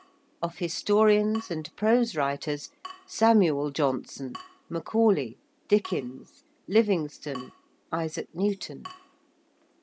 Of historians and prose writers, Samuel Johnson, Macaulay, Dickens, Livingston, Isaac Newton.